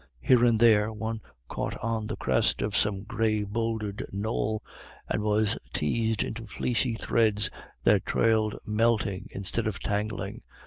Here and there one caught on the crest of some gray bowldered knoll, and was teazed into fleecy threads that trailed melting instead of tangling.